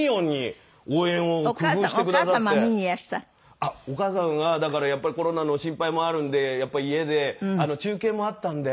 あっお母さんはだからやっぱりコロナの心配もあるんで家で中継もあったんで。